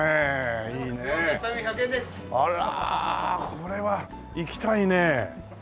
これはいきたいね。